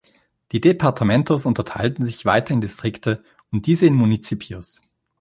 Die Departamentos unterteilten sich weiter in Distrikte und diese in Municipios.